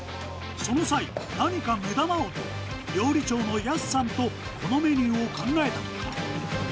その際、何か目玉をと、料理長の安さんとこのメニューを考えたとか。